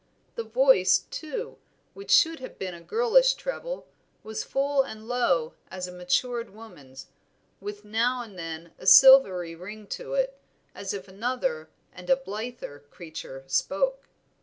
The voice, too, which should have been a girlish treble, was full and low as a matured woman's, with now and then a silvery ring to it, as if another and a blither creature spoke.